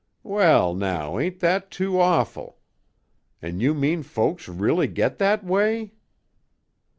Well, now, ain't that too awful? An' you mean folks really get that way?"